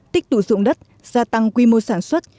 tích tụ dụng đất gia tăng quy mô sản xuất